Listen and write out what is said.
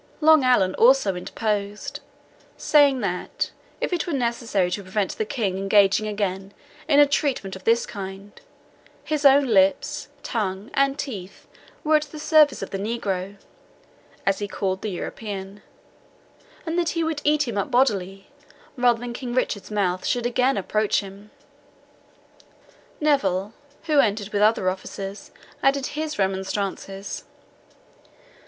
Long Allen also interposed, saying that, if it were necessary to prevent the King engaging again in a treatment of this kind, his own lips, tongue, and teeth were at the service of the negro (as he called the Ethiopian), and that he would eat him up bodily, rather than King Richard's mouth should again approach him. Neville, who entered with other officers, added his remonstrances.